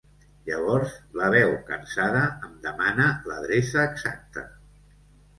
Llavors la veu cansada em demana l'adreça exacta.